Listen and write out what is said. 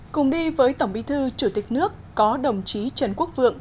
cùng đi với tổng bí thư chủ tịch nước có đồng chí trần quốc vượng